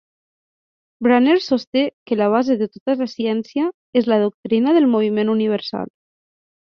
Brunner sosté que la base de tota la ciència és la doctrina del moviment universal.